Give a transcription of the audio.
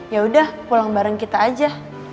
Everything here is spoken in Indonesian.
yaudah pulang bareng kita aja